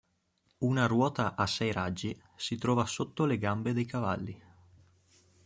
Una ruota a sei raggi si trova sotto le gambe dei cavalli.